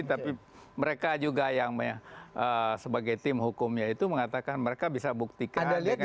tapi mereka juga yang sebagai tim hukumnya itu mengatakan mereka bisa buktikan dengan